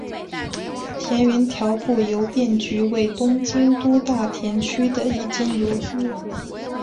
田园调布邮便局为东京都大田区的一间邮局。